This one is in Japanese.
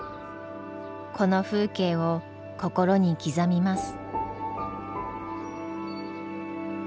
この風景を心に刻みます。